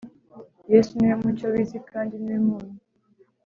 yesu niwe mucyo w’isi kandi niwe munyu